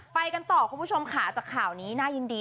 ไปกันต่อคุณผู้ชมค่ะจากข่าวนี้น่ายินดี